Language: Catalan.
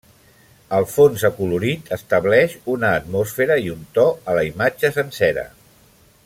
El fons acolorit estableix una atmosfera i un to a la imatge sencera.